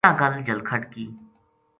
یاہ گل جلکھڈ کی